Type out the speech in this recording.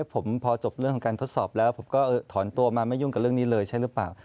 ผมพอจบเรื่องของการทดสอบแล้วผมก็ถอนตัวมาไม่ยุ่งกับเรื่องนี้เลยใช่หรือเปล่า